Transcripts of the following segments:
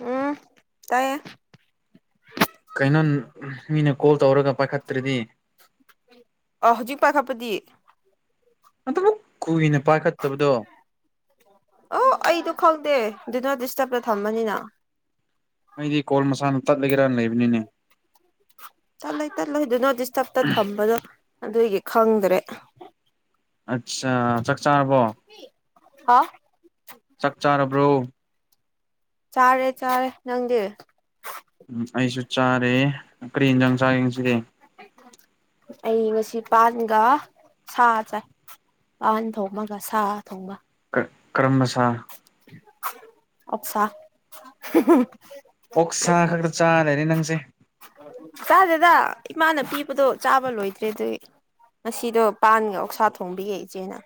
ꯎꯝ ꯇꯥꯏꯌꯦ ꯀꯩꯅꯣ ꯃꯤꯅ ꯀꯣꯜ ꯇꯧꯔꯒ ꯄꯥꯏꯈꯠꯇ꯭ꯔꯗꯤ ꯄ ꯈꯄꯗꯤ ꯑꯗꯨꯕꯨ ꯀꯨꯏꯅ ꯄꯥꯏꯈꯠꯇꯕꯗꯣ ꯑꯣ ꯑꯩꯗꯣ ꯈꯪꯗꯦ ꯑꯗꯨꯅ ꯗꯤꯁꯇꯔꯕꯇ ꯊꯃꯅꯤꯅ ꯑꯩꯗꯤ ꯀꯣꯜ ꯃꯁꯥꯅ ꯇꯠꯂꯒꯦꯔ ꯂꯩꯕꯅꯤꯅꯦ ꯆꯠꯂꯣꯏ ꯇꯠꯂꯣꯏꯗꯨꯅꯣ ꯗꯤꯁꯇꯔꯕꯇ ꯊꯝꯕꯗꯣ ꯑꯗꯨꯒꯤ ꯈꯪꯗ꯭ꯔꯦ ꯑꯆꯥ ꯆꯥꯛ ꯆꯥꯔꯕꯣ ꯑ ꯆꯥꯛ ꯆꯥꯔꯕ꯭ꯔꯣ ꯆꯥꯔꯦ ꯆꯥꯔꯦ ꯅꯪꯗꯤ ꯎꯝ ꯑꯩꯁꯨ ꯆꯥꯔꯦ ꯀꯔꯤ ꯌꯦꯟꯖꯥꯡ ꯆꯥꯒꯡꯁꯤꯒꯦ ꯑꯩ ꯉꯁꯤ ꯄꯥꯟꯒ ꯁꯥ ꯆꯥꯏ ꯄꯥꯟ ꯊꯣꯡꯃꯒ ꯁꯥ ꯊꯣꯡꯕ ꯀꯔꯃꯁ ꯑꯠꯆꯥ ꯑꯣꯛ ꯁꯥ ꯈꯛꯇ ꯆꯥꯔꯅꯤ ꯅꯪꯁꯦ ꯆꯥꯗꯦꯗ ꯏꯃꯥꯅ ꯄꯤꯕꯗꯣ ꯆꯥꯕ ꯂꯣꯏꯗ꯭ꯔꯦ ꯑꯗꯨꯗꯤ ꯉꯁꯤꯗꯣ ꯄꯥꯟꯒ ꯑꯣꯛꯁꯥ ꯊꯣꯡꯕꯤꯌꯦꯦ ꯏꯆꯦꯅ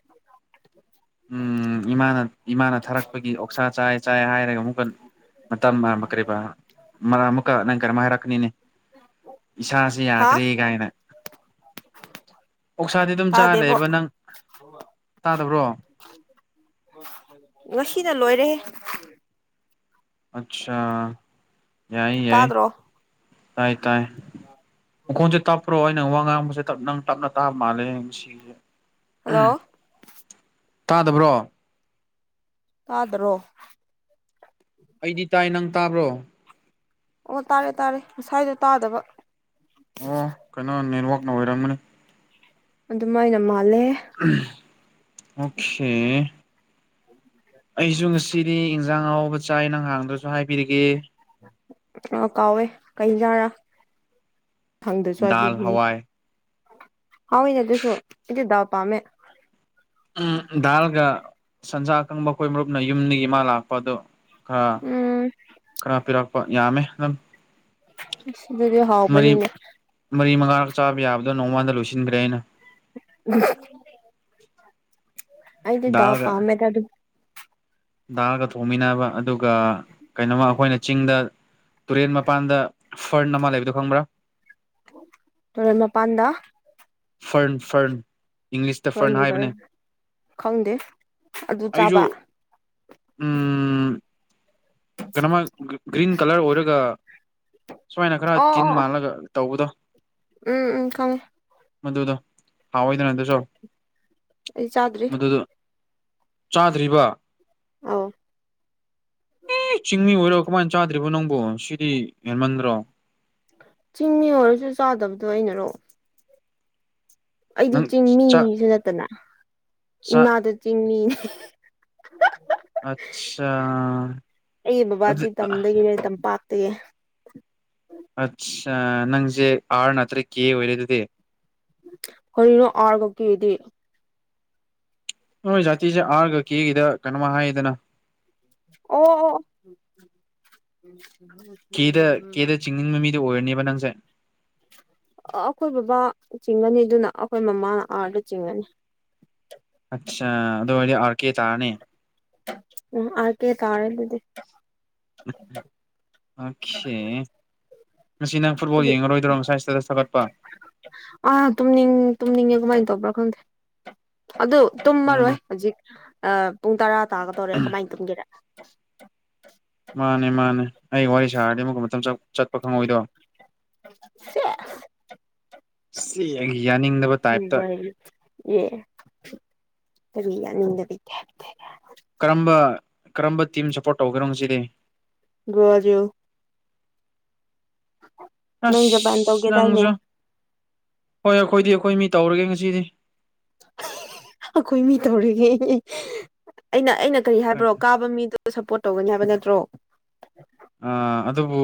ꯎꯝ ꯏꯃꯥꯅ ꯏꯃꯥꯅ ꯊꯥꯔꯛꯄꯒꯤ ꯑꯣꯛꯁꯥ ꯆꯥꯏ ꯆꯥꯏ ꯍꯥꯏꯔꯒ ꯑꯃꯨꯛꯀꯟ ꯃꯇꯝ ꯃꯔꯥꯡ ꯀꯔꯤꯕ ꯑꯃꯨꯛꯀ ꯅꯪ ꯀꯔꯝ ꯍꯥꯏꯔꯛꯀꯅꯤꯅꯦ ꯏꯁꯥꯁꯤ ꯍꯥ ꯌꯥꯗ꯭ꯔꯒꯥꯏꯅ ꯑꯣꯛꯁꯥꯗꯤ ꯑꯗꯨꯝ ꯇꯥꯗꯦꯕꯣ ꯆꯥꯔꯕ ꯅꯪ ꯇꯥꯗꯕ꯭ꯔꯣ ꯉꯁꯤꯅ ꯂꯣꯏꯔꯦ ꯑꯆꯥꯥ ꯌꯥꯏ ꯌꯥꯏ ꯇꯥꯗ꯭ꯔꯣ ꯇꯥꯏ ꯇꯥꯏꯀꯆ ꯇꯞ꯭ꯔꯣꯩꯅ ꯋꯥꯉ ꯦꯞ ꯅꯪ ꯇꯞꯅ ꯇꯥꯕ ꯃꯥꯜꯂꯦꯁꯤꯁꯦ ꯍꯜꯂꯣ ꯇꯥꯗꯕ꯭ꯔꯣ ꯇꯥꯗ꯭ꯔꯣ ꯑꯩꯗꯤ ꯇꯥꯏ ꯅꯪ ꯇꯥꯕ꯭ꯔꯣ ꯑꯣ ꯇꯥꯔꯦ ꯇꯥꯔꯦ ꯉꯁꯥꯏꯗꯣ ꯇꯥꯗꯕ ꯑꯣ ꯀꯩꯅꯣ ꯅꯦꯠꯋꯥꯛꯅ ꯑꯣꯏꯔꯝꯒꯅꯤ ꯑꯗꯨꯃꯥꯏꯅ ꯃꯥꯜꯂꯦ ꯑꯣꯁꯦ ꯎ ꯑꯩꯁꯨ ꯉꯁꯤꯗꯤ ꯏꯟꯖꯥꯡ ꯑꯍꯥꯎꯕ ꯆꯥꯏ ꯅꯪꯍꯥꯡꯗꯁꯨ ꯍꯥꯏꯕꯤꯔꯒꯦ ꯑ ꯀꯥꯎꯋꯦ ꯀꯩꯖꯥꯔꯥ ꯈꯪꯗꯁꯨ ꯗꯥꯜ ꯍꯥꯏꯕꯤꯕꯤ ꯍꯋꯥꯏ ꯍꯥꯎ ꯏꯅꯦ ꯑꯗꯨꯁꯨꯣ ꯏꯗꯤꯗꯕ ꯄꯥꯝꯃꯦ ꯎꯝ ꯗꯥꯜꯒ ꯁꯟꯖꯥꯒꯪ ꯃꯈꯣꯏ ꯃꯔꯨꯞꯅ ꯌꯨꯝꯅꯤꯒꯤ ꯏꯃꯥ ꯂꯥꯛꯄ ꯑꯗꯨ ꯈꯔ ꯎꯝ ꯈꯔ ꯄꯤꯔꯛꯄ ꯌꯥꯝꯃꯦ ꯑꯗꯨꯝ ꯏꯁ ꯑꯗꯨꯗꯤ ꯃꯔꯤ ꯍꯥꯎꯕꯅꯤꯅꯦ ꯃꯔꯤ ꯃꯉꯥꯔꯛ ꯆꯥꯕ ꯌꯥꯕꯗꯣ ꯅꯣꯡꯃꯗ ꯂꯣꯏꯁꯤꯟꯒ꯭ꯔꯦ ꯑꯩꯅ ꯑꯍꯨꯡ ꯍꯨꯐ ꯑꯩꯗꯤꯗꯥꯎ ꯗꯥꯜꯒ ꯄꯥꯝꯃꯦꯗ ꯑꯗꯨ ꯗꯥꯜꯒ ꯊꯣꯡꯃꯤꯟꯅꯕ ꯑꯗꯨꯒ ꯀꯩꯅꯣꯃ ꯑꯈꯣꯏꯅ ꯆꯤꯡꯗ ꯇꯨꯔꯦꯟ ꯃꯄꯥꯟꯗ ꯐꯔꯟ ꯑꯃ ꯂꯩꯕꯗꯣ ꯈꯪꯕ꯭ꯔꯥ ꯇꯨꯔꯦꯟ ꯃꯄꯥꯟꯗ ꯐꯔꯟ ꯐꯔꯟ ꯏꯪꯂꯤꯁꯇ ꯐꯔꯟ ꯔꯟꯒꯔ ꯍꯥꯏꯕꯅꯦ ꯈꯪꯗꯦ ꯑꯗꯨ ꯑꯩꯁꯨ ꯆꯥꯕ ꯎꯝ ꯀꯩꯅꯣꯃ ꯒ꯭ꯔꯤꯟ ꯀꯂꯔ ꯑꯣꯏꯔꯒ ꯁꯨꯃꯥꯏꯅ ꯈꯔ ꯑꯣ ꯇꯤꯟ ꯑꯣ ꯑꯣ ꯃꯥꯜꯂꯒ ꯇꯧꯕꯗꯣ ꯎꯝ ꯎꯝ ꯈꯪꯉꯦ ꯃꯗꯨꯗꯣ ꯍꯥꯎꯑꯣꯏꯗꯅ ꯑꯗꯨꯁꯨ ꯑꯩ ꯆꯥꯗ꯭ꯔꯤ ꯃꯗꯨꯗꯣ ꯆꯥꯗ꯭ꯔꯤꯕ ꯑꯣ ꯑꯦ ꯆꯤꯡꯃꯤ ꯑꯣꯏꯔꯒ ꯀꯃꯥꯏꯅ ꯆꯥꯗ꯭ꯔꯤꯕꯣ ꯅꯪꯕꯨ ꯁꯤꯗꯤ ꯍꯦꯟꯃꯟꯗ꯭ꯔꯣ ꯆꯤꯡꯃꯤ ꯑꯣꯏꯔꯁꯨ ꯆꯥꯗꯕꯗꯣ ꯑꯩꯅꯔꯣ ꯑꯩꯗꯤ ꯅꯪ ꯆꯥꯛ ꯆꯤꯡꯃꯤꯖꯨ ꯅꯠꯇꯅ ꯆꯥꯛ ꯏꯃꯥꯗꯣ ꯆꯤꯡꯃꯤꯅꯤ ꯍꯦꯍꯍ ꯑꯠꯆꯥ ꯑꯩꯒꯤ ꯑꯗꯨ ꯕꯕꯥꯗꯤ ꯇꯝꯗꯒꯤꯅꯦ ꯇꯝꯄꯥꯛ ꯇꯒꯤ ꯑꯠꯁꯥ ꯅꯪꯖꯦ ꯑꯥꯔ ꯅꯇꯔꯤ ꯀꯔꯤꯅꯣ ꯑꯔ ꯒ ꯀꯦꯗꯤ ꯅꯣꯏ ꯖꯥꯇꯤꯖꯦ ꯑꯥꯔꯒ ꯀꯦꯒꯤꯗ ꯀꯩꯅꯣꯃ ꯍꯥꯏꯗꯅ ꯑꯣ ꯑꯣ ꯑꯣ ꯑꯣ ꯀꯦꯗ ꯀꯦꯗ ꯆꯤꯡꯅꯤꯡꯕ ꯃꯤꯗꯨ ꯑꯣꯏꯔꯅꯦꯕ ꯅꯪꯖꯦ ꯑ ꯑꯈꯣꯏ ꯕꯕꯥ ꯆꯤꯡꯉꯅꯤ ꯑꯗꯨꯅ ꯑꯈꯣꯏ ꯃꯃꯥꯅ ꯑꯥꯔꯗ ꯆꯤꯡꯉꯅꯤ ꯑꯠꯆꯥ ꯑꯗꯨ ꯑꯣꯏꯔꯗꯤ ꯑꯥꯔ ꯀꯦ ꯇꯥꯔꯅꯤ ꯎꯝ ꯑꯥꯔ ꯀꯦ ꯇꯥꯔꯦ ꯑꯗꯨꯗꯤ ꯑꯣ ꯈꯦ ꯑꯩꯗꯤ ꯊꯥꯒꯠꯄ ꯑꯥ ꯇꯨꯝꯅꯤꯡ ꯇꯨꯝꯅꯤꯡꯉꯦ ꯀꯃꯥꯏ ꯇꯧꯕ꯭ꯔꯥ ꯈꯪꯗꯦ ꯑꯗꯨ ꯎꯝ ꯇꯨꯝꯃꯔꯣꯏ ꯍꯧꯖꯤꯛ ꯑꯥ ꯄꯨꯡ ꯇꯔꯥ ꯇꯥꯒꯗꯧꯔꯦ ꯀꯃꯥꯏ ꯇꯨꯝꯒꯦꯔꯥ ꯃꯥꯅꯦ ꯃꯥꯅꯦ ꯑꯩ ꯋꯥꯔꯤ ꯁꯥꯔꯗꯤ ꯑꯃꯨꯛꯀ ꯃꯇꯝ ꯆꯠ ꯆꯠꯄ ꯈꯪꯉꯣꯏꯗꯣ ꯁꯤ ꯑꯩꯒꯤ ꯌꯥꯅꯤꯡꯗꯕ ꯇꯥꯏꯞꯇ ꯑꯦ ꯀꯔꯤ ꯌꯥꯅꯤꯡꯗꯕꯩ ꯇꯥꯏꯞꯇ ꯀꯔꯝꯕ ꯀꯔꯝꯕ ꯇꯤꯝ ꯁꯞꯄꯣꯔꯠ ꯇꯧꯒꯦꯔꯣ ꯉꯁꯤꯗꯤ ꯕ꯭ꯔꯥꯖꯤꯜ ꯅꯪ ꯖꯄꯥꯟ ꯑꯁ ꯇꯧꯒꯦꯗꯥꯏꯅꯦ ꯅꯪꯖꯨ ꯍꯣꯏ ꯑꯩꯈꯣꯏꯗꯤ ꯑꯩꯈꯣꯏ ꯃꯤ ꯇꯧꯔꯒꯦ ꯉꯁꯤꯗꯤ ꯍꯤ ꯍꯤ ꯍꯤ ꯑꯩꯈꯣꯏ ꯃꯤ ꯇꯧꯔꯤꯒꯦ ꯍꯍ ꯑꯩꯅ ꯑꯩꯅ ꯀꯔꯤ ꯍꯥꯏꯕ꯭ꯔꯣ ꯀꯥꯕ ꯃꯤꯗꯨ ꯁꯞꯄꯣꯔꯠ ꯇꯧꯒꯅꯤ ꯍꯥꯏꯕ ꯅꯠꯇ꯭ꯔꯣ ꯑ ꯑꯗꯨꯕꯨ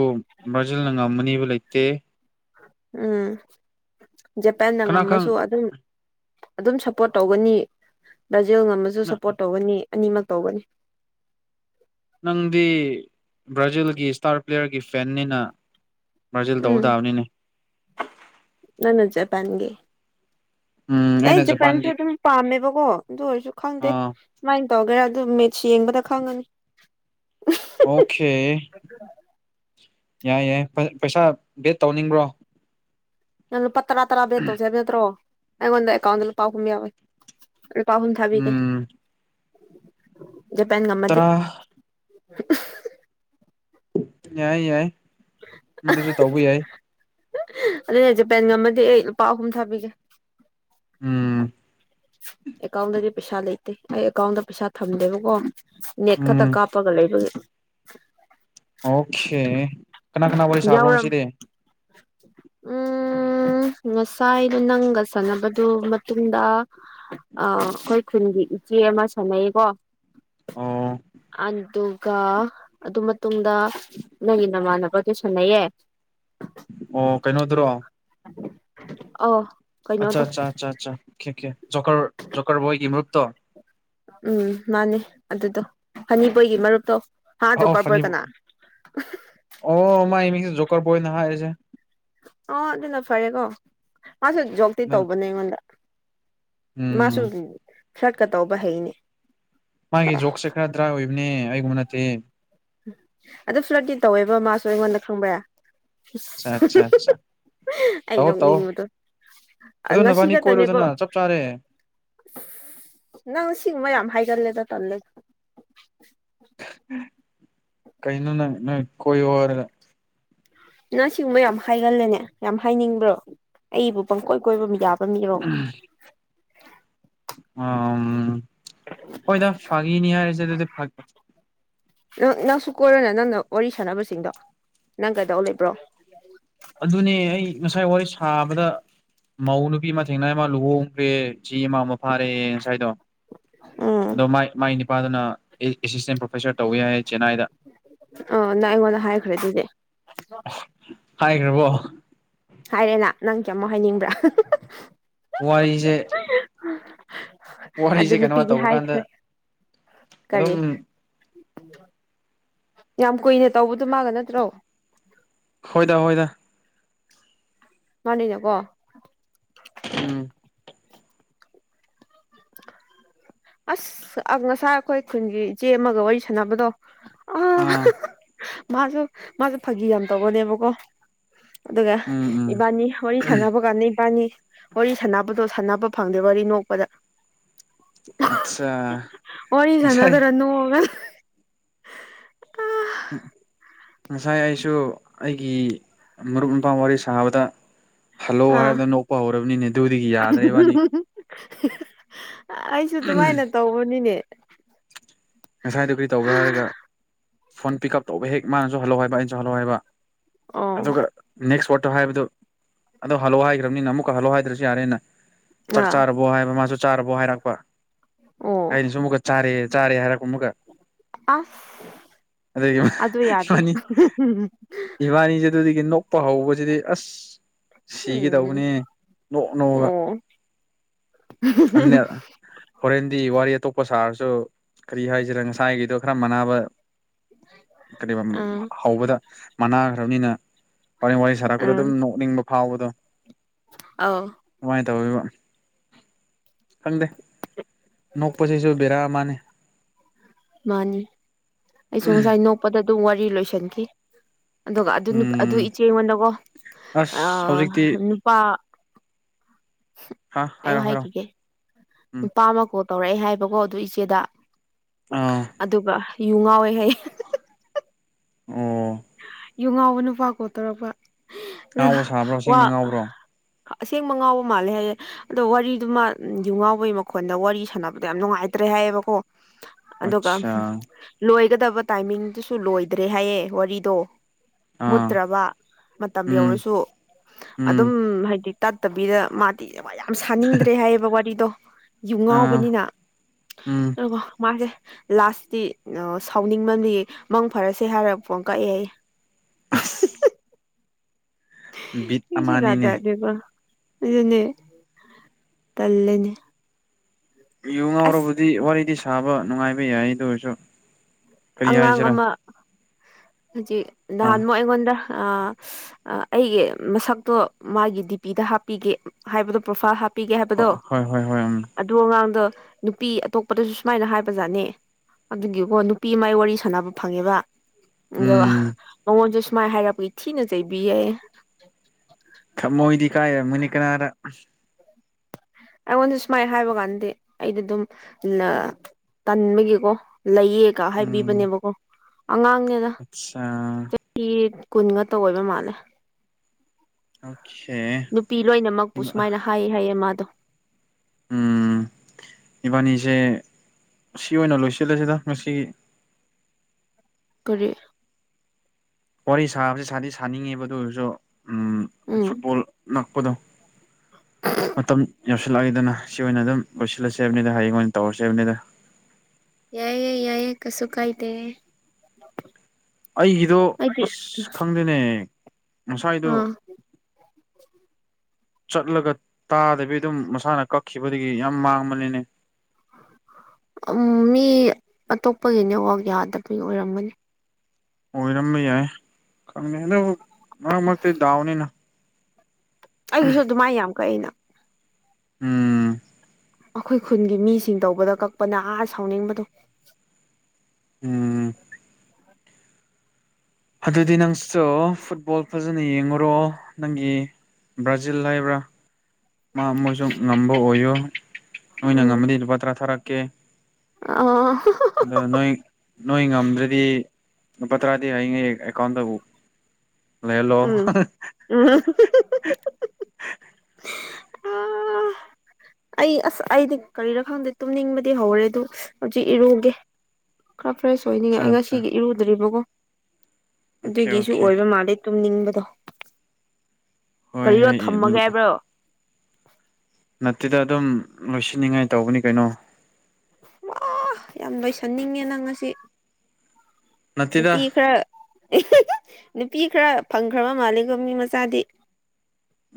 ꯕ꯭ꯔꯥꯖꯤꯜꯅ ꯉꯝꯃꯅꯤꯕ ꯂꯩꯇꯦ ꯎꯝ ꯖꯄꯥꯟꯅ ꯀꯅꯥ ꯈꯪ ꯉꯝꯃꯁꯨ ꯑꯗꯨꯝ ꯑꯗꯨꯝ ꯁꯞꯄꯣꯔꯠ ꯇꯧꯒꯅꯤ ꯕ꯭ꯔꯥꯖꯤꯜ ꯉꯝꯃꯁꯨ ꯁꯞꯄꯣꯔꯠ ꯇꯧꯒꯅꯤ ꯑꯅꯤꯃꯛ ꯇꯧꯒꯅꯤ ꯅꯪꯗꯤ ꯕ꯭ꯔꯥꯖꯤꯜꯒꯤ ꯏꯁꯇꯥꯔ ꯄ꯭ꯂꯦꯌꯔꯒꯤ ꯐꯦꯟꯅꯤꯅ ꯕ꯭ꯔꯥꯖꯤꯜ ꯇꯧꯕ ꯇꯥꯕꯅꯤꯅꯦ ꯅꯪꯅꯥ ꯖꯄꯥꯟꯒꯤ ꯎꯝ ꯑꯩꯅ ꯑꯩ ꯖꯄꯥꯟꯁꯨ ꯖꯄꯥꯟꯒꯤ ꯑꯗꯨꯝ ꯄꯥꯝꯃꯦꯕꯀꯣ ꯑꯗꯨ ꯑꯣꯏꯔꯁꯨ ꯈꯪꯗꯦ ꯑꯥ ꯃꯥꯏ ꯇꯧꯒꯦꯔꯥ ꯑꯗꯨ ꯃꯦꯠꯁ ꯌꯦꯡꯕꯗ ꯈꯪꯉꯅꯤ ꯑꯣꯈꯦ ꯌꯥꯏ ꯌꯥꯏ ꯄꯩ ꯄꯩꯁꯥ ꯕꯦꯠ ꯇꯧꯅꯤꯡꯕ꯭ꯔꯣ ꯅꯪꯅ ꯄ ꯇꯔꯥ ꯇꯔꯥꯕꯦꯠꯇꯧꯁꯦꯕ ꯅꯠꯇ꯭ꯔꯣ ꯑꯩꯉꯣꯟꯗ ꯑꯦꯀꯥꯎꯟꯗ ꯂ ꯄꯥꯎꯈꯨꯝ ꯌꯥꯎꯋꯦ ꯂꯨꯄꯥ ꯑꯍꯨꯝ ꯊꯥꯕꯤꯒꯦ ꯎꯝ ꯖꯄꯥꯟꯒꯝꯃꯗꯤ ꯇꯔꯥ [unintelligible] ꯌꯥꯏ ꯌꯥꯏ ꯃꯗꯨꯁꯨ ꯇꯧꯕ ꯌꯥꯏ ꯑꯗꯨꯅꯦꯁꯦꯄꯦꯟꯒꯝꯃꯗꯤ ꯑꯩ ꯂꯨꯄꯥ ꯑꯍꯨꯝ ꯊꯥꯕꯤꯒꯦ ꯎꯝ ꯑꯦꯀꯥꯎꯟꯗꯗꯤ ꯄꯩꯁꯥ ꯂꯩꯇꯦ ꯑꯩ ꯑꯦꯀꯥꯎꯟꯗ ꯄꯩꯁꯥ ꯊꯝꯗꯦꯕꯀꯣ ꯅꯦꯛꯦꯛ ꯈꯛꯇ ꯎꯝ ꯀꯥꯞꯄꯒ ꯂꯩꯕꯒꯤ ꯑꯣꯀꯦ ꯀꯅꯥ ꯀꯅꯥ ꯋꯥꯔꯤ ꯁꯥꯕ꯭ꯔꯣ ꯌꯥꯎꯔꯝ ꯉꯁꯤꯗꯤ ꯎꯝ ꯉꯁꯥꯏꯗꯣ ꯅꯪꯒ ꯁꯥꯟꯅꯕꯗꯨ ꯃꯇꯨꯡꯗ ꯑ ꯑꯩꯈꯣꯏ ꯈꯨꯟꯒꯤ ꯏꯆꯦ ꯑꯃ ꯁꯥꯟꯅꯩꯀꯣ ꯑꯣ ꯑꯗꯨ ꯑꯗꯨꯣ ꯀ ꯑꯗꯨ ꯃꯇꯨꯡꯗ ꯅꯪꯒꯤ ꯅꯃꯥꯟꯅꯕ ꯇꯨꯁꯅꯩꯌꯦꯦ ꯑꯣ ꯀꯩꯅꯣꯗ꯭ꯔꯣ ꯑꯣ ꯑꯆꯥ ꯑꯆꯥ ꯑ ꯑ ꯖ ꯖꯣꯀꯔ ꯕꯣꯏ ꯏꯃꯔꯨꯞꯇꯣ ꯎꯝ ꯃꯥꯅꯦ ꯑꯗꯨꯗꯣ ꯐꯅꯤꯄꯣꯏꯒꯤ ꯃꯔꯨꯞꯇꯣ ꯍꯥ ꯑꯣ ꯖꯣꯀꯔ ꯐꯅꯤ ꯕꯣꯏ ꯀꯅꯥ ꯑꯣ ꯃꯃꯥꯏ ꯏꯃꯤꯁꯤ ꯖꯣꯀ ꯣꯏ ꯅꯍꯥꯏꯁꯦ ꯑꯣ ꯑꯗꯨꯅ ꯐꯔꯦꯀꯣ ꯃꯥꯁꯨ ꯖꯣꯛꯇꯤ ꯅꯪ ꯇꯧꯕꯅꯦ ꯑꯩꯉꯣꯟꯗ ꯃꯥꯁꯨ ꯎꯝ ꯐ꯭ꯂꯠꯀ ꯇꯧꯕ ꯍꯩꯅꯦ ꯃꯥꯒꯤ ꯁꯦꯁ ꯖꯣꯛꯁꯦ ꯈꯔ ꯗ꯭ꯔꯥ ꯑꯣꯏꯕꯅꯦ ꯑꯩꯒꯨꯝꯕ ꯅꯠꯇꯦ ꯎ ꯑꯗꯨ ꯁꯂꯛꯇꯤ ꯇꯧꯋꯦꯕ ꯃꯥꯁꯨ ꯑꯩꯉꯣꯟꯗ ꯈꯪꯕ ꯌꯥ ꯠꯆꯥ ꯑꯩ ꯇꯧꯑꯣ ꯇꯥꯛꯑꯣ ꯅꯣꯛꯅꯤꯡꯕꯗꯣ ꯑꯗꯨꯣ ꯉꯁꯤ ꯅꯕꯥꯅꯤ ꯈꯛꯇꯅꯦꯕ ꯀꯣꯏꯔꯣꯗꯅ ꯆꯞ ꯆꯥꯔꯦ ꯅꯪ ꯁꯤꯨꯝꯕ ꯌꯥꯝ ꯍꯥꯏꯒꯜꯂꯦꯗ ꯇꯜꯂꯦꯗ ꯀꯩꯅꯅ ꯀꯣꯏ ꯋꯥꯔꯂ ꯅ ꯁꯤꯒꯨꯝꯕ ꯌꯥꯝ ꯍꯥꯏꯒꯜꯂꯦꯅꯦ ꯌꯥꯝ ꯍꯥꯏꯅꯤꯡꯕ꯭ꯔꯣ ꯑꯩꯕꯨ ꯄꯪꯀꯣꯏ ꯀꯣꯏꯕ ꯃꯤ ꯌꯥꯕ ꯈꯨ ꯋꯥꯝ ꯎ ꯍꯣꯏꯗ ꯐꯥꯒꯤꯅꯤ ꯍꯥꯏꯔꯤꯁꯦ ꯑꯗꯨꯗꯤ ꯐ ꯅꯪ ꯅꯪꯁꯨ ꯀꯣꯏꯔꯣꯅ ꯅꯪꯅ ꯋꯥꯔꯤ ꯁꯥꯟꯅꯕꯁꯤꯡꯗꯣ ꯅꯪ ꯀꯩꯗꯧ ꯂꯩꯕ꯭ꯔꯣ ꯑꯗꯨꯅꯦ ꯑꯩ ꯉꯁꯥꯏ ꯋꯥꯔꯤ ꯁꯥꯕꯗ ꯃꯧ ꯅꯨꯄꯤ ꯑꯃ ꯊꯦꯡꯅꯏ ꯑꯃ ꯂꯨꯍꯣꯡ ꯈꯦ ꯆ ꯑꯃꯃꯥꯎ ꯑꯃ ꯐꯥꯔꯦ ꯉꯁꯥꯏꯗꯣ ꯎꯝ ꯑꯗꯣ ꯃꯥꯏ ꯃꯥꯏꯅꯤ ꯅꯨꯄꯥꯗꯨꯅ ꯑꯦ ꯑꯦꯁꯤꯁꯇꯦꯟ ꯄ꯭ꯔꯣꯐꯦꯁꯔ ꯇꯧꯋꯦ ꯍꯥꯏ ꯆꯦꯟꯅꯥꯏꯗ ꯑ ꯅꯪ ꯑꯩꯉꯣꯟꯗ ꯍꯥꯏꯈ꯭ꯔꯦ ꯑꯗꯨꯗꯤ ꯔꯕꯣ ꯍꯥꯏꯔꯦꯅ ꯅꯪ ꯀ ꯑꯃꯨꯛ ꯍꯥꯏꯅꯤꯡꯕ꯭ꯔꯥ ꯋꯥꯔꯤꯁꯦ ꯑꯗꯨ ꯋꯥꯔꯤꯁꯦ ꯀꯩꯅꯣ ꯅꯨꯄꯤꯗꯤ ꯇꯧꯕ ꯀꯥꯟꯗ ꯍꯥꯏꯈ꯭ꯔꯦ ꯀꯔꯤ ꯑꯗꯨꯝ ꯌꯥꯝ ꯀꯨꯏꯅ ꯇꯧꯕꯗꯨ ꯃꯥꯒ ꯅꯠꯇ꯭ꯔꯣ ꯍꯣꯏꯗ ꯍꯣꯏꯗ ꯃꯅ ꯀꯣ ꯎꯝ ꯑꯁ ꯉꯁꯥꯏ ꯑꯩꯈꯣꯏ ꯈꯨꯟꯒꯤ ꯏꯆꯦ ꯑꯃꯒ ꯋꯥꯔꯤ ꯁꯥꯟꯅꯕꯗꯣ ꯑꯥ ꯃꯥꯁꯨ ꯃꯥꯁꯨ ꯐꯥꯒꯤ ꯌꯥꯝ ꯇꯧꯕꯅꯦꯕꯀꯣ ꯑꯗꯨꯒ ꯎꯝ ꯎꯝ ꯏꯕꯥꯅꯤ ꯋꯥꯔꯤ ꯁꯥꯟꯅꯕ ꯀꯥꯟꯗ ꯏꯕꯥꯅꯤ ꯋꯥꯔꯤ ꯁꯥꯟꯅꯕꯗꯣ ꯁꯥꯟꯅꯕ ꯐꯪꯗꯦ ꯋꯥꯔꯤ ꯅꯣꯛꯄꯗ ꯑꯠꯆꯥ ꯋꯥꯔꯤ ꯉꯁꯥꯏ ꯁꯅꯗꯔ ꯅꯣꯒ ꯎꯝ ꯉꯁꯥꯏ ꯑꯩꯁꯨ ꯑꯩꯒꯤ ꯃꯔꯨꯞ ꯃꯄꯥꯡ ꯋꯥꯔꯤ ꯁꯥꯕꯗ ꯍꯜꯂꯣ ꯑꯥ ꯍꯥꯏꯕꯗ ꯅꯣꯛꯄ ꯍꯧꯔꯕꯅꯤꯅꯦ ꯑꯗꯨꯗꯤ ꯌꯥꯗ꯭ꯔꯦꯕꯥꯅꯤꯒꯤ ꯑꯩꯁꯨ ꯑꯗꯨꯃꯥꯏꯅ ꯇꯧꯕꯅꯤꯅꯦ ꯉꯁꯥꯏꯗꯨꯣ ꯀꯔꯤ ꯇꯧꯕ꯭ꯔꯥ ꯍꯥꯏꯔꯒ ꯐꯣꯟ ꯄꯤꯛ ꯎꯞ ꯇꯧꯕ ꯍꯦꯛ ꯃꯥꯅꯁꯨ ꯍꯜꯂꯑꯣ ꯍꯥꯏꯕ ꯑꯩꯅꯁꯨ ꯍꯜꯍꯑꯣ ꯍꯥꯏꯕ ꯑꯣ ꯑꯗꯨꯒ ꯅꯦꯛꯁ ꯋꯥꯇꯣ ꯍꯥꯏꯕꯗꯨ ꯑꯣ ꯍꯜꯂꯋꯥ ꯍꯥꯏꯒ ꯅꯤꯅ ꯑꯃꯨꯛꯀ ꯍꯜꯂꯣꯑꯣ ꯍꯥꯏꯗ꯭ꯔꯁꯨ ꯌꯥꯔꯦꯅ ꯆꯥꯛ ꯑꯥ ꯆꯥꯔꯕꯣ ꯍꯥꯏꯕ ꯃꯥꯁꯨ ꯆꯥꯔꯕꯣ ꯍꯥꯏꯔꯛꯄ ꯑꯣ ꯑꯗꯤ ꯑꯃꯨꯛꯀ ꯆꯥꯔꯦ ꯆꯥꯔꯦ ꯍꯥꯏꯔꯛ ꯑꯁ ꯑꯗꯒꯤ ꯑꯗꯨ ꯌꯥꯗꯦ ꯏꯕꯥꯅꯤ ꯎꯝ ꯏꯕꯥꯅꯤꯁꯤ ꯑꯗꯨꯗꯒꯤ ꯅꯣꯛꯄ ꯍꯧꯕꯁꯤꯗꯤ ꯑꯁ ꯁꯤꯒ ꯇꯧꯕꯅꯦ ꯅꯣꯛ ꯅꯣꯛꯑꯒ ꯑꯣ ꯑꯗꯨꯅ ꯍꯣꯔꯦꯟꯗꯤ ꯋꯥꯔꯤ ꯑꯇꯣꯞꯄ ꯁꯥꯔꯁꯨ ꯀꯔꯤ ꯍꯥꯏꯁꯤꯔ ꯉꯁꯥꯏꯒꯤꯗꯣ ꯈꯔ ꯃꯥꯟꯅꯕ ꯀꯔꯤ ꯑꯥ ꯍꯧꯕꯗ ꯃꯅꯥꯈ꯭ꯔꯕꯅꯤꯅ ꯋꯥꯔꯤ ꯋꯥꯔꯤ ꯁꯥꯔꯛꯄꯗ ꯑꯥ ꯑꯗꯨꯝ ꯅꯣꯛꯅꯤꯡꯕ ꯐꯥꯎꯕꯗꯣ ꯑꯧ ꯇꯧꯕ ꯈꯪꯗꯦ ꯅꯣꯛꯄꯁꯤꯁꯨ ꯕꯦꯔꯥ ꯃꯥꯅꯤ ꯃꯥꯅꯤ ꯑꯩꯁꯨ ꯉꯁꯥꯏ ꯅꯣꯛꯄꯗ ꯑꯗꯨꯝ ꯋꯥꯔꯤ ꯂꯣꯏꯁꯟꯈꯤ ꯑꯗꯨꯒ ꯑꯗꯨ ꯎꯝ ꯏꯆꯦ ꯑꯩꯉꯣꯟꯗꯀꯣ ꯑꯁ ꯍꯧꯖꯤꯛꯇꯤ ꯅꯨꯄꯥ ꯍꯥ ꯍꯥꯏꯔꯣ ꯍꯥꯏꯔꯣ ꯍꯥꯏꯈꯤꯒꯦ ꯎꯝ ꯅꯨꯄꯥ ꯑꯃ ꯀꯣꯜ ꯇꯧꯔꯛꯑꯦ ꯍꯥꯏꯕꯀꯣ ꯑꯗꯨ ꯏꯆꯦꯗ ꯑꯥ ꯑꯗꯨꯒ ꯌꯨ ꯉꯥꯎꯋꯦ ꯍꯥꯏ ꯑꯣ ꯌꯨ ꯉꯥꯎꯕ ꯅꯨꯄꯥ ꯀꯣꯜ ꯇꯧꯔꯛꯄ ꯑꯗꯨꯒ ꯉꯥꯎꯕ ꯁꯥꯕ꯭ꯔꯣ ꯋꯥ ꯑꯁꯦꯡꯕ ꯉꯥꯎꯕ꯭ꯔꯣ ꯑꯁꯦꯡꯕ ꯉꯥꯎꯕ ꯃꯥꯜꯂꯦ ꯍꯥꯏꯌꯦ ꯑꯗꯣ ꯋꯥꯔꯤꯗꯨꯃ ꯌꯨ ꯉꯥꯎꯕꯩ ꯃꯈꯣꯟꯗ ꯋꯥꯔꯤ ꯁꯥꯟꯅꯕꯗꯣ ꯌꯥꯝ ꯅꯨꯡꯉꯥꯏꯇ꯭ꯔꯥ ꯍꯥꯏꯌꯦꯕ ꯀꯣ ꯑꯗꯨꯒ ꯑꯠꯆꯥ ꯂꯣꯏꯒꯗꯕ ꯇꯥꯏꯃꯤꯡꯗꯨꯁꯨ ꯂꯣꯏꯗ꯭ꯔꯦ ꯍꯥꯏꯌꯦ ꯋꯥꯔꯤ ꯇꯣ ꯑꯥ ꯃꯨꯠꯇ꯭ꯔꯕ ꯃꯇꯝ ꯎꯝ ꯌꯧꯔꯁꯨ ꯑꯗꯨꯝ ꯎꯝ ꯍꯥꯏꯗꯤ ꯇꯠꯇꯕꯤꯗ ꯃꯥꯗꯤ ꯌꯥꯝ ꯁꯥꯅꯤꯡꯗ꯭ꯔꯦ ꯍꯥꯏꯌꯦꯕ ꯋꯥꯔꯤꯗꯣ ꯌꯨꯝ ꯑꯥ ꯉꯥꯎꯕꯅꯤꯅ ꯎꯝ ꯑꯗꯨꯒ ꯃꯥꯁꯦ ꯂꯥꯁꯇꯤ ꯁꯥꯎꯅꯤꯡꯕꯗꯤ ꯃꯪ ꯐꯔꯁꯦ ꯍꯥꯏꯔꯒ ꯐꯣꯟ ꯀꯛꯑꯦ ꯑꯩ ꯑꯁ ꯕꯤꯠ ꯃꯤꯁꯨ ꯖꯥꯠ ꯖꯥꯠ ꯑꯃꯅꯤꯅꯦ ꯅꯦꯀꯣ ꯑꯗꯨꯅꯦ ꯇꯜꯂꯦꯅꯦ ꯌꯨ ꯑꯁ ꯉꯥꯎꯔꯕꯗꯤ ꯋꯥꯔꯤꯗꯤ ꯁꯥꯕ ꯅꯨꯡꯉꯥꯏꯕ ꯌꯥꯏ ꯑꯗꯨ ꯑꯣꯏꯔꯁꯨ ꯀꯔꯤ ꯑꯉꯥꯡ ꯍꯥꯏꯁꯤꯔꯥ ꯑꯃ ꯍꯧꯖꯤꯛ ꯑꯥ ꯅꯍꯥꯟꯃꯨꯛ ꯑꯩꯉꯣꯟꯗꯥ ꯑꯩꯒꯤ ꯃꯁꯛꯇꯣ ꯃꯥꯒꯤ ꯗꯤ ꯄꯤꯗ ꯍꯥꯞꯄꯤꯒꯦ ꯍꯥꯏꯕꯗꯣ ꯄ꯭ꯔꯣꯐꯥꯏꯜ ꯍꯥꯞꯄꯤ ꯄꯤꯒꯦ ꯍꯥꯏꯕꯗꯣ ꯍꯣꯏ ꯍꯣꯏ ꯍꯣꯏ ꯎꯝ ꯑꯗꯨ ꯑꯉꯥꯡꯗꯣ ꯅꯨꯄꯤ ꯑꯇꯣꯞꯄꯗꯁꯨ ꯁꯨꯃꯥꯏꯅ ꯍꯥꯏꯕꯖꯥꯠꯅꯤ ꯑꯗꯨꯒꯤꯀꯣ ꯄꯤ ꯃꯥꯏ ꯋꯥꯔꯤ ꯁꯥꯟꯅꯕ ꯐꯪꯉꯦꯕ ꯑꯗꯨꯒ ꯎꯝ ꯃꯉꯣꯟꯁꯨ ꯃꯥꯏ ꯍꯥꯏꯔꯛꯄꯒꯤ ꯊꯤꯅ ꯆꯩꯕꯤꯌꯦ ꯍꯥꯏꯌꯦ ꯊꯃꯣꯏꯗꯤ ꯀꯥꯏꯔꯝꯃꯥꯅꯤ ꯀꯅꯥꯔ ꯑꯩꯉꯣꯟꯗ ꯁꯨꯃꯥꯏꯅ ꯍꯥꯏꯕ ꯀꯥꯟꯗꯤ ꯑꯩꯗꯤ ꯑꯗꯨꯝ ꯇꯟꯕꯒꯤꯀꯣ ꯂꯩꯌꯦꯒ ꯎꯝ ꯍꯥꯏꯕꯤꯕꯅꯦꯕꯀꯣ ꯑꯉꯥꯡꯅꯦꯅ ꯑꯠꯆꯥ ꯆꯍꯤ ꯀꯨꯟ ꯉꯇ ꯑꯣꯏꯕ ꯃꯥꯜꯂꯦ ꯑꯣꯀꯦ ꯅꯨꯄꯤ ꯂꯣꯏꯅꯃꯛꯄꯨ ꯁꯨꯃꯥꯏꯅ ꯍꯥꯏꯌꯦ ꯍꯥꯏꯌꯦ ꯃꯥꯗꯣ ꯎꯝ ꯏꯕꯥꯅꯤꯁꯦ ꯁꯤ ꯑꯣꯏꯅ ꯂꯣꯏꯁꯤꯜꯂꯁꯤꯗ ꯉꯁꯤ ꯀꯔꯤ ꯋꯥꯔꯤ ꯁꯥꯕꯁꯦ ꯁꯥꯗꯤ ꯁꯥꯅꯤꯡꯉꯦꯕ ꯑꯗꯨ ꯑꯣꯏꯔꯁꯨ ꯎꯝ ꯎꯝ ꯐꯨꯠꯕꯣꯜ ꯉꯛꯄꯗꯣ ꯃꯇꯝ ꯌꯧꯁꯤꯜꯂꯛꯏꯗꯅ ꯁꯤ ꯑꯣꯏꯅ ꯑꯗꯨꯝ ꯂꯣꯏꯁꯤꯜꯂꯁꯦ ꯍꯥꯏꯕꯅꯤꯗ ꯍꯌꯦꯡ ꯑꯣꯏꯅ ꯇꯧꯔꯁꯦ ꯍꯥꯏꯕꯅꯤꯗ ꯌꯥꯏꯌꯦ ꯌꯥꯏꯌꯦ ꯀꯁꯨ ꯀꯥꯏꯗꯦ ꯑꯩꯒꯤꯗꯣ ꯍꯥꯏꯗꯤ ꯑꯁ ꯈꯪꯗꯦꯅꯦ ꯉꯁꯥꯏꯗꯣ ꯑ ꯆꯠꯂꯒ ꯇꯥꯗꯕꯤ ꯑꯗꯨꯝ ꯃꯁꯥꯅ ꯀ ꯈꯤꯕꯗꯒꯤ ꯌꯥꯝ ꯃꯥꯡꯕꯅꯤꯅꯦ ꯃꯤ ꯑꯇꯣꯞꯄꯒꯤ ꯅꯦꯠꯋꯥꯛ ꯌꯥꯗꯕꯒꯤ ꯑꯣꯏꯔꯝꯒꯅꯤ ꯑꯣꯏꯔꯝꯕ ꯌꯥꯏ ꯈꯪꯗꯦ ꯑꯗꯨ ꯃꯔꯛ ꯃꯔꯛꯇꯤ ꯗꯥꯎꯅꯤꯅ ꯑꯩꯒꯤꯁꯨ ꯑꯗꯨꯃꯥꯏ ꯌꯥꯝ ꯀꯩ ꯑꯩꯅ ꯎꯝ ꯑꯩꯈꯣꯏ ꯈꯨꯟꯒꯤ ꯃꯤꯁꯤꯡ ꯇꯧꯕꯗ ꯀꯛꯄꯅ ꯑꯥ ꯁꯥꯎꯅꯤꯡꯕꯗꯣ ꯎꯝ ꯑꯗꯨꯗꯤ ꯅꯪꯁꯨ ꯐꯨꯠꯕꯣꯜ ꯐꯖꯅ ꯌꯦꯡꯉꯨꯔꯣ ꯅꯪꯒꯤ ꯕ꯭ꯔꯥꯖꯤꯜ ꯍꯥꯏꯕ꯭ꯔꯥ ꯃꯥ ꯃꯣꯏꯁꯨ ꯉꯝꯕ ꯑꯣꯏꯌꯨ ꯅꯣꯏꯅ ꯎꯝ ꯉꯝꯃꯗꯤ ꯂꯨꯄꯥ ꯇꯔꯥ ꯊꯥꯔꯛꯀꯦ ꯑ ꯑꯗꯣ ꯅꯣꯏ ꯅꯣꯏ ꯉꯝꯗ꯭ꯔꯗꯤ ꯂꯨꯄꯥ ꯇꯥꯔꯥꯗꯤ ꯌꯥꯏꯍꯦ ꯑꯦꯀꯥꯎꯟꯗꯕꯨ ꯂꯩꯂꯣ ꯎꯝ ꯎꯝ ꯑꯩ ꯑꯁ ꯑꯩꯗꯤ ꯀꯔꯤꯅꯣ ꯈꯪꯗꯦ ꯇꯨꯝꯅꯤꯡꯕꯗꯤ ꯍꯧꯔꯦ ꯑꯗꯨ ꯍꯧꯖꯤꯛ ꯏꯔꯨꯒꯦ ꯈꯔ ꯐ꯭ꯔꯦꯁ ꯑꯣꯏꯅꯤꯡꯉꯥꯏ ꯑꯠꯆꯥ ꯑꯩ ꯑꯠꯆꯥ ꯉꯁꯤꯒꯤ ꯏꯔꯨꯗ꯭ꯔꯤꯕꯀꯣ ꯑꯣꯀꯦ ꯑꯗꯨꯒꯤꯁꯨ ꯑꯣꯀꯦ ꯑꯣꯏꯕ ꯃꯥꯜꯂꯦ ꯇꯨꯝꯅꯤꯡꯕꯗꯣ ꯍꯣꯏ ꯀꯔꯤꯅꯣ ꯍꯣꯏ ꯊꯝꯃꯒꯦ ꯍꯥꯏꯕ꯭ꯔꯣ ꯅꯠꯇꯦꯗ ꯑꯗꯨꯝ ꯂꯣꯏꯁꯤꯟꯅꯤꯉꯥꯏ ꯇꯧꯕꯅꯤ ꯀꯩꯅꯣ ꯌꯥꯝ ꯂꯣꯏꯁꯟꯅꯤꯡꯉꯦ ꯅꯪ ꯉꯁꯤ ꯅꯠꯇꯦꯗ ꯅꯨꯄꯤ ꯈꯔ ꯅꯨꯄꯤ ꯈꯔ ꯐꯪꯈ꯭ꯔꯕ ꯃꯥꯂꯦꯀꯣ ꯃꯤ ꯃꯆꯥꯗꯤ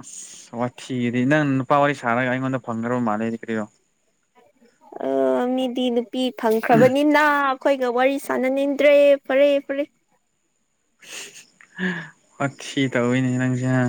ꯑꯁ ꯋꯥ ꯊꯤꯒꯗꯤ ꯅꯪ ꯅꯨꯄꯥ ꯋꯥꯔꯤ ꯁꯥꯔꯒ ꯑꯩꯉꯣꯟꯗ ꯐꯪꯈ꯭ꯔꯕ ꯃꯥꯜꯂꯦꯗꯤ ꯀꯔꯤꯗꯣ ꯑ ꯃꯤꯗꯤ ꯅꯨꯄꯤ ꯐꯪꯈ꯭ꯔꯕꯅꯤꯅ ꯑꯩꯈꯣꯏꯒ ꯋꯥꯔꯤ ꯁꯥꯟꯅꯅꯤꯡꯗ꯭ꯔꯦ ꯐꯔꯦ ꯐꯔꯦ ꯋꯥꯊꯤ ꯇꯧꯏꯅꯦ ꯅꯡꯁꯦ ꯍꯥ